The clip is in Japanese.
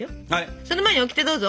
その前にオキテどうぞ！